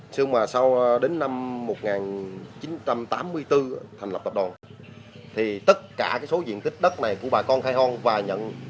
sau đến năm một nghìn chín trăm tám mươi bốn thành lập tập đoàn thì tất cả số diện tích đất này của bà con khai hoang và nhận